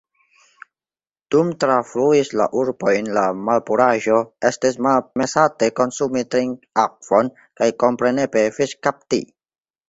Dum trafluis la urbojn la malpuraĵo, estis malpermesate konsumi trinkakvon kaj kompreneble fiŝkapti.